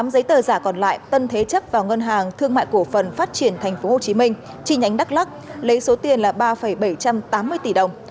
tám giấy tờ giả còn lại tân thế chấp vào ngân hàng thương mại cổ phần phát triển tp hcm chi nhánh đắk lắc lấy số tiền là ba bảy trăm tám mươi tỷ đồng